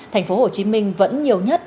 tp hcm vẫn nhiều nhất